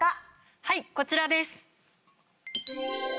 はいこちらです。